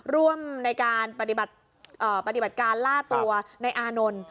ร่วมในการปฏิบัติการล่าตัวในอานนท์